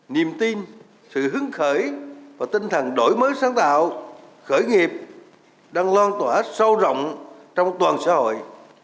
nhiệm tin sự hướng khởi và tinh thần đổi mới sáng tạo khởi nghiệp đang loan tỏa sâu rộng trong toàn xã hội